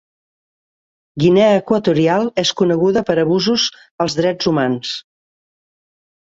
Guinea Equatorial és coneguda per abusos als drets humans.